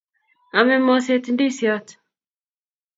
Ame moset indisiot